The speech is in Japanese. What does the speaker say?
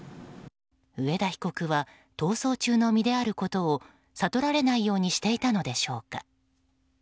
上田被告は逃走中の身であることを悟られないようにしていたのでしょうか。